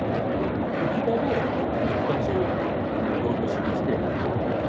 浮き輪を２つ導入しまして。